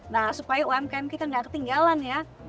nah supaya umkn kita tidak ketinggalan ya